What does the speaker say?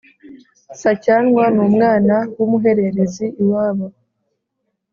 Sacyanwa numwana wumuhererezi iwabo